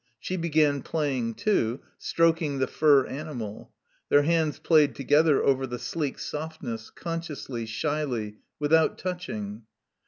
She began playing too, stroking the fur animal; their hands played together over the sleek softness, consciously, shyly, without touching.